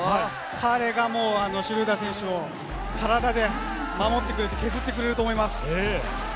彼がシュルーダー選手を体で守ってくれて削ってくれると思います。